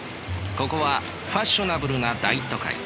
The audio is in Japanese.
ここはファッショナブルな大都会。